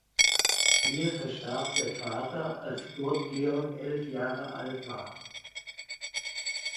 Hier verstarb der Vater, als Curth Georg elf Jahre alt war.